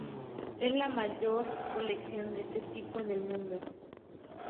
Es la mayor colección de este tipo en el mundo.